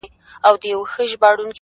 او خپل سر يې د لينگو پر آمسا کښېښود،